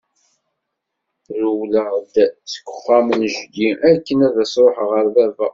Rewleɣ-d seg uxxam n jeddi akken ad ruḥeɣ ɣer baba.